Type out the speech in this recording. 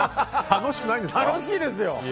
楽しいですよ！